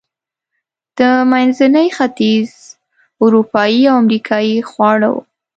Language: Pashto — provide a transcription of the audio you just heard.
د منځني ختیځ، اروپایي او امریکایي خواړه و.